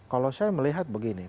kalau saya melihat begini